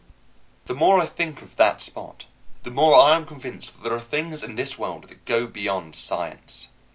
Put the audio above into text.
The more I think of that Spot, the more I am convinced that there are things in this world that go beyond science.